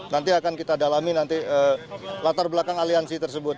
nanti akan kita dalami nanti latar belakang aliansi tersebut